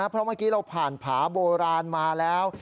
เพราะเมื่อกี้เราผ่านผาโบราณมาแล้ว